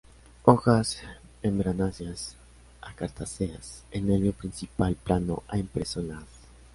Hojas membranáceas a cartáceas, el nervio principal plano a impreso en la haz.